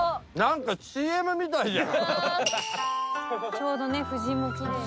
ちょうど藤もきれいで。